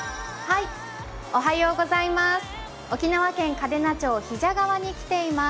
沖縄県嘉手納町、比謝川に来ています。